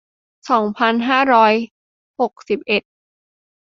สองพันห้าร้อยหกสิบเอ็ด